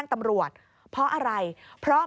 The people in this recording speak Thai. นี่ค่ะคุณผู้ชมพอเราคุยกับเพื่อนบ้านเสร็จแล้วนะน้า